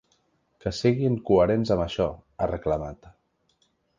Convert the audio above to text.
Que siguin coherents amb això, ha reclamat.